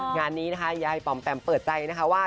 งานนี้นะคะยายปอมแปมเปิดใจนะคะว่า